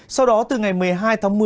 sau đó từ ngày một mươi hai tháng một mươi